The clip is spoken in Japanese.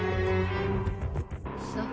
そう。